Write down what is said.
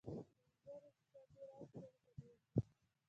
د انځرو صادرات هند ته ډیر دي.